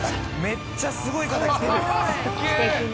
めっちゃすごい方来てる。